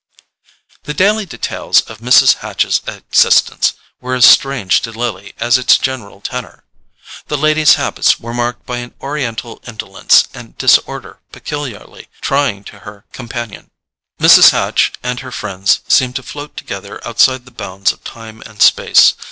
The daily details of Mrs. Hatch's existence were as strange to Lily as its general tenor. The lady's habits were marked by an Oriental indolence and disorder peculiarly trying to her companion. Mrs. Hatch and her friends seemed to float together outside the bounds of time and space.